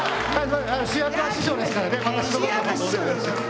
主役は師匠ですからね。